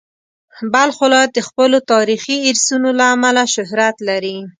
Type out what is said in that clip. بلخ ولایت د خپلو تاریخي ارثونو له امله شهرت لري.